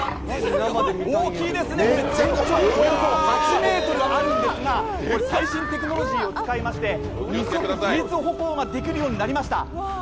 大きいですね、全長およそ８ｍあるんですが、最新テクノロジーを使いまして自立二足歩行ができるようになりました。